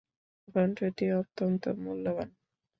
গ্রন্থটি অত্যন্ত মূল্যবান।